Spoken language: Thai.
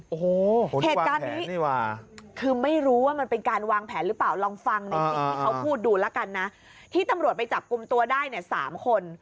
โอ้โห้โถว่้างแผนนี่ว่ะคือไม่รู้ว่ามันเป็นการวางแผนหรือเปล่าลองฟังจริงเขาพูดดูละกันนะที่ตำรวจไปจับกลุ่มตัวได้เนี่ย๓คน